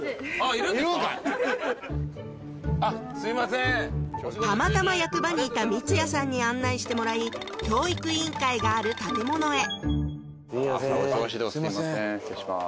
いるんかいあっすみませんお仕事中にたまたま役場にいた三津谷さんに案内してもらい教育委員会がある建物へお忙しいところすみません失礼します